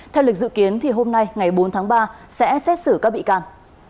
theo lịch dự kiến hôm nay ngày bốn tháng ba sẽ xét xử các bị can